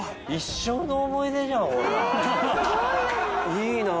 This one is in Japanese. いいなあ。